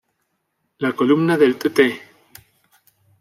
La columna del tte.